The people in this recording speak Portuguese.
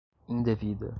indevida